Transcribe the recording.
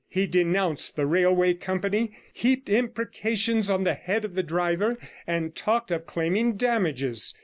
He denounced the railway company, heaped imprecations on the head of the driver, and talked of claiming damages.